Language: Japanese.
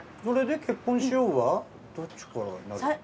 それで結婚しようはどっちから。